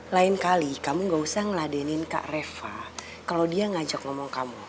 lain kali kamu gak usah ngeladenin kak reva kalau dia ngajak ngomong kamu